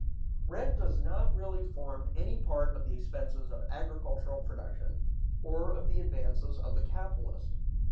Rent does not really form any part of the expenses of [agricultural] production, or of the advances of the capitalist.